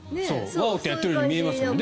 ワオ！ってやってるように見えますね。